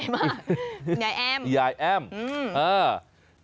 คุณยายเอี๊ยมคุณยายเอี๊ยมอืมอ่า